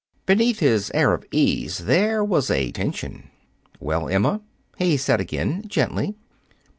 Beneath his air of ease there was a tension. "Well, Emma?" he said again, gently.